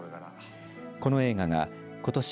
この映画がことし